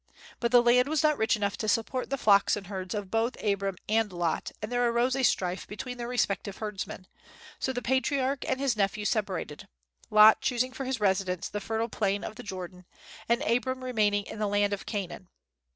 But the land was not rich enough to support the flocks and herds of both Abram and Lot, and there arose a strife between their respective herdsmen; so the patriarch and his nephew separated, Lot choosing for his residence the fertile plain of the Jordan, and Abram remaining in the land of Canaan.